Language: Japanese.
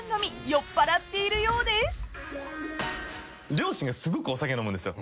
両親がすごくお酒飲むんですよ。